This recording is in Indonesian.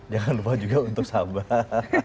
jangan lupa juga untuk sabah